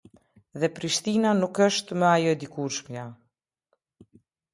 Dhe Prishtina nuk është më ajo e dikurshmja.